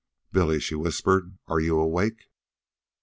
"Billy," she whispered, "are you awake?"